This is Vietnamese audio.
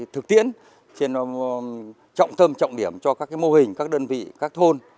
thực tiễn trên trọng tâm trọng điểm cho các mô hình các đơn vị các thôn